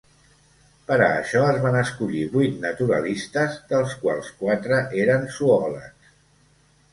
Per a això, es van escollir vuit naturalistes, dels quals quatre eren zoòlegs.